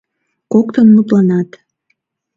Коктын мутланат: